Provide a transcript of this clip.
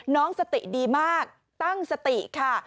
น้องสติดีมากตั้งสติค่ะ